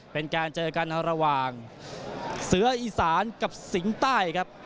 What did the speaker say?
เป็นการเจอกันระหว่างเสืออีสานกับสิงห์ใต้ครับ